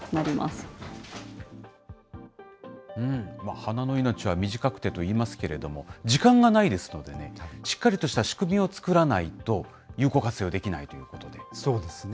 花の命は短くてといいますけれども、時間がないですのでね、しっかりとした仕組みを作らないと、有効活用できないということそうですね。